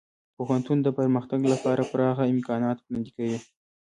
پوهنتون د پرمختګ لپاره پراخه امکانات وړاندې کوي.